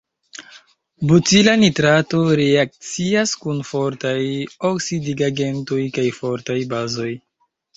Butila nitrato reakcias kun fortaj oksidigagentoj kaj fortaj bazoj.